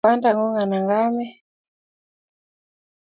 Menyei yu kwandangung anan kenet?